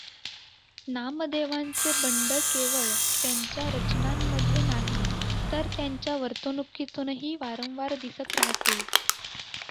नामदेवांचे बंड केवळ त्यांच्या रचनांमध्ये नाही, तर त्यांच्या वर्तणुकीतूनही वारंवार दिसत राहते.